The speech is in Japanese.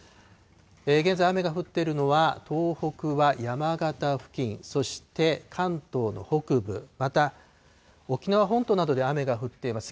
現在、雨が降っているのは、東北は山形付近、そして、関東の北部、また沖縄本島などで雨が降っています。